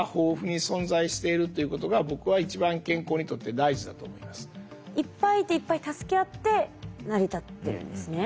多様性のあるいっぱいいていっぱい助け合って成り立ってるんですね。